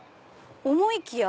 思いきや。